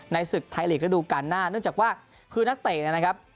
ศึกไทยลีกระดูกาลหน้าเนื่องจากว่าคือนักเตะเนี่ยนะครับ